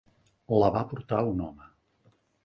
La va portar un home.